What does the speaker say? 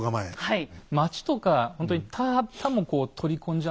はい。